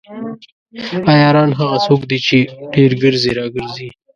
عیاران هغه څوک دي چې ډیر ګرځي راګرځي.